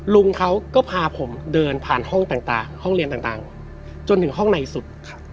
ลุงเขาก็พาผมเดินผ่านห้องต่างห้องเรียนต่างจนถึงห้องในสุด